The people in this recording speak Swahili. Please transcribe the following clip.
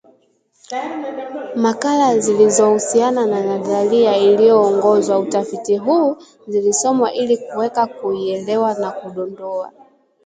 Makala zilizohusiana na nadharia iliyoongoza utafiti huu zilisomwa ili kuweza kuielewa na kudondoa